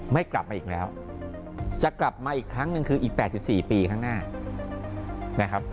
ไม่กลับมาอีกแล้วจะกลับมาอีกครั้งหนึ่งคืออีก๘๔ปีข้างหน้านะครับ